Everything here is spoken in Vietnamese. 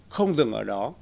không dừng ở đó